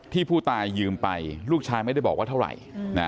ผู้ตายยืมไปลูกชายไม่ได้บอกว่าเท่าไหร่